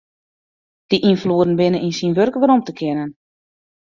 Dy ynfloeden binne yn syn wurk werom te kennen.